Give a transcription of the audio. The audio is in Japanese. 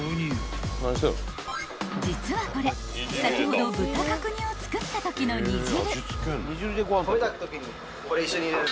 ［実はこれ先ほど豚角煮を作ったときの煮汁］